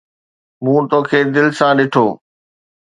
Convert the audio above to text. مون توکي دل سان ڏٺو